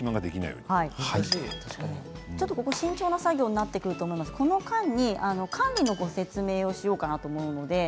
ちょっと慎重な作業になるかと思います、この間に管理の説明をしようかと思います。